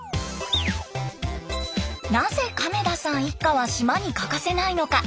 なぜ亀田さん一家は島に欠かせないのか？